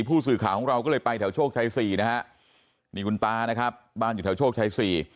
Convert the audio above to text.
ผู้สื่อข่าวของเราก็เลยไปแถวโชคชัยสี่นะฮะนี่คุณตานะครับบ้านอยู่แถวโชคชัยสี่